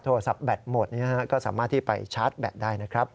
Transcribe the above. โทรศัพท์แบตหมดก็สามารถที่ไปชาร์จแบตได้นะครับ